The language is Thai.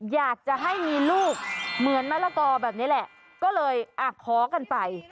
อยากจะให้มีลูกเหมือนมะละกอแบบนี้แหละก็เลยอ่ะขอกันไป